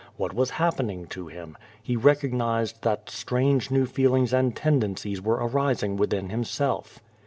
What was happening to him? He recognized that strange, new feelings and tendencies were arising within himself.